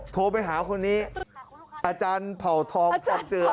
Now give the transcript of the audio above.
โทรไปหาคนนี้อาจารย์เผ่าทองคำเจือ